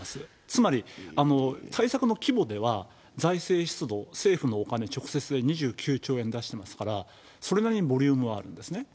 つまり、対策の規模では財政出動、政府のお金、直接２９兆円出してますから、それなりにボリュームはあるんですね。